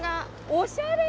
おしゃれ！